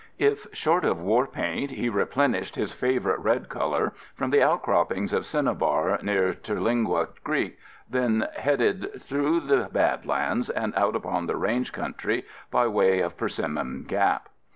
If short of war paint, he replenished his favorite red color from the outcroppings of cinnebar near Terlingua Creek, then headed through the badlands and out upon the range country by way of Persimmon Gap.